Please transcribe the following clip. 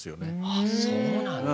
あそうなんだ。